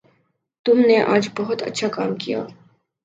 تم نے آج بہت اچھا کام کیا